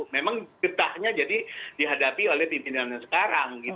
memang getahnya jadi dihadapi oleh pimpinan yang sekarang